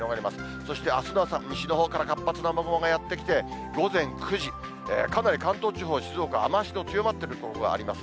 そして、あすの朝、西のほうから活発な雨雲がやって来て、午前９時、特に関東地方、静岡、雨足の強まっている所があります。